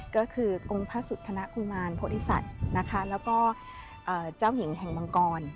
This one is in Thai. ก็คือองค์พระสุทธนาคุณมารพฤษัทแล้วก็เจ้าหญิงแห่งมังกร